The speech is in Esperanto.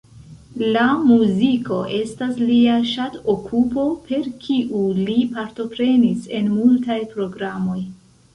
La muziko estas lia ŝatokupo, per kiu li partoprenis en multaj programoj.